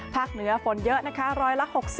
ภาคเหนือฝนเยอะนะคะร้อยละ๖๐